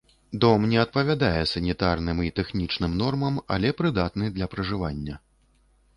Дом не адпавядае санітарным і тэхнічным нормам, але прыдатны для пражывання.